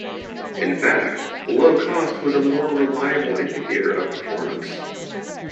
In fact, low cost was a more reliable indicator of performance.